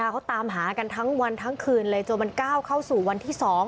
เขาตามหากันทั้งวันทั้งคืนเลยจนมันก้าวเข้าสู่วันที่๒